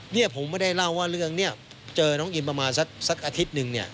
เนี่ยผมไม่ได้เล่าว่าเรื่องนี้เจอน้องอินประมาณสักอาทิตย์หนึ่งเนี่ย